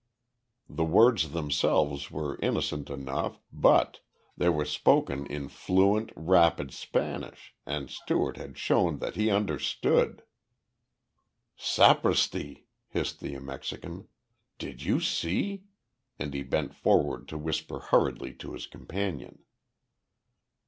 The words themselves were innocent enough, but they were spoken in fluent, rapid Spanish and Stewart had shown that he understood! "Sapristi!" hissed the Mexican. "Did you see?" and he bent forward to whisper hurriedly to his companion.